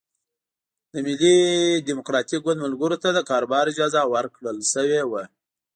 د ملي ډیموکراتیک ګوند ملګرو ته د کاروبار اجازه ورکړل شوې وه.